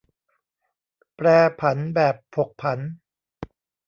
แปรผันแบบผกผัน